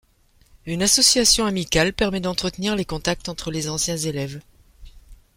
Une association amicale permet d’entretenir les contacts entre les anciens élèves.